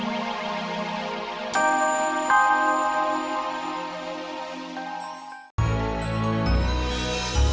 ya udah bang